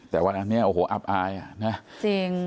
แต่วันอันนี้โอ้โหอับอายจริง